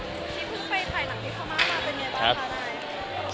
พื้นไปหลักชัดด้วยไปบริการ์มาล